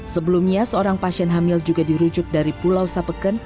sebelumnya seorang pasien hamil juga dirujuk dari pulau sapeken